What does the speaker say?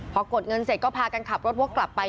พอกดเงินเสร็จก็พากันขับรถวกกลับไป